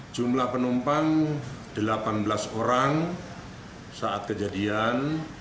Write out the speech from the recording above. jumlah penumpang delapan belas orang saat kejadian